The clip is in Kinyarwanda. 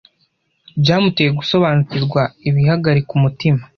byamuteye gusobanukirwa ibihagarika umutima